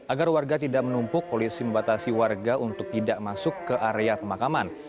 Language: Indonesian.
agar warga tidak menumpuk polisi membatasi warga untuk tidak masuk ke area pemakaman